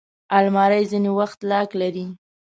الماري ځینې وخت لاک لري